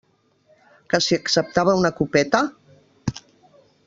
Que si acceptava una copeta?